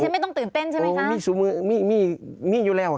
ฉันไม่ต้องตื่นเต้นใช่ไหมคะมีสูงมือมีมีมีอยู่แล้วอะ